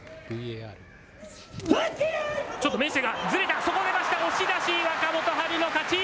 ちょっと明生がずれた、そこを出ました、押し出し、若元春の勝ち。